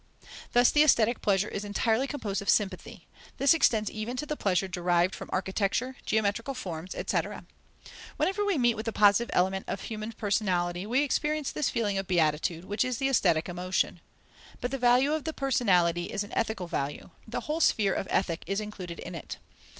Thus the aesthetic pleasure is entirely composed of sympathy. This extends even to the pleasure derived from architecture, geometrical forms, etc. Whenever we meet with the positive element of human personality, we experience this feeling of beatitude, which is the aesthetic emotion. But the value of the personality is an ethical value: the whole sphere of ethic is included in it.